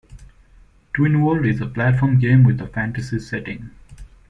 "Twinworld" is a platform game with a fantasy setting.